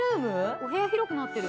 お部屋広くなってる。